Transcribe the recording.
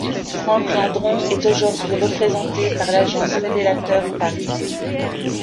Franck Landron est aujourd'hui représenté par l’agence révélateur, Paris.